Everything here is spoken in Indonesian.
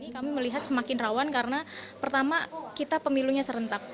kami melihat semakin rawan karena pertama kita pemilunya serentak